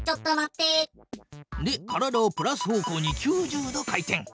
で体をプラス方向に９０度回転。